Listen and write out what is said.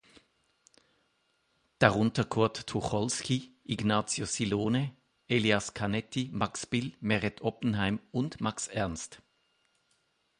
Darunter Kurt Tucholsky, Ignazio Silone, Elias Canetti, Max Bill, Meret Oppenheim und Max Ernst.